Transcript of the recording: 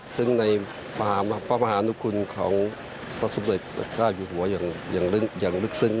ซึ่งในพระมหานุคุณของพระสมเด็จพระเจ้าอยู่หัวอย่างลึกซึ้ง